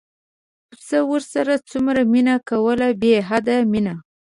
پسه ورسره څومره مینه کوله بې حده مینه.